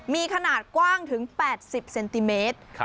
มีขนาดกว้างถึง๘๐เซนติเมตร